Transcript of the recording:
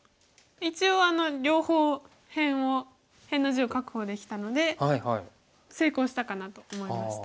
一応両方辺を辺の地を確保できたので成功したかなと思いました。